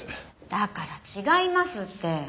だから違いますって。